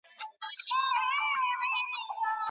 علماء د نکاح د خطرونو پوهاوی عاموي.